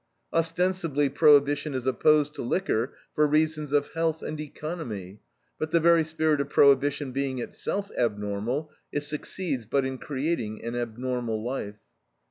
Ostensibly Prohibition is opposed to liquor for reasons of health and economy, but the very spirit of Prohibition being itself abnormal, it succeeds but in creating an abnormal life.